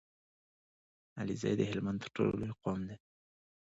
عليزی د هلمند تر ټولو لوی قوم دی